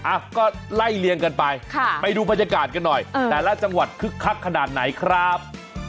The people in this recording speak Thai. อ่ะก็ไล่เลียงกันไปไปดูบรรยากาศกันหน่อยแต่ละจังหวัดคึกคักขนาดไหนครับ